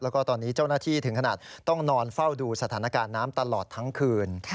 แล้วก็ตอนนี้เจ้าหน้าที่ถึงขนาดต้องนอนเฝ้าดูสถานการณ์น้ำตลอดทั้งคืน